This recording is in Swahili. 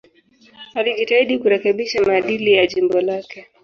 Alijitahidi kurekebisha maadili ya jimbo lake.